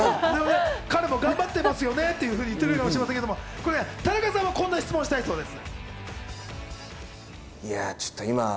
彼も頑張ってますよねと言ってくれるかもしれませんが、田中さんはこんなことを質問したいそうです。